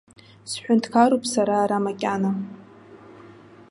Сҳәынҭқаруп сара ара макьана!